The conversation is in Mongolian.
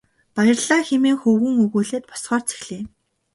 Баярлалаа хэмээн хөвгүүн өгүүлээд босохоор зэхлээ.